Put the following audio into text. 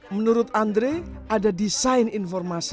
menurut andre ada desain informasi